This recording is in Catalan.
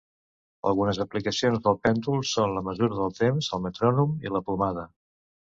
Algunes aplicacions del pèndol són la mesura del temps, el metrònom i la plomada.